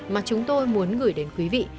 mà chúng tôi muốn gửi đến quý vị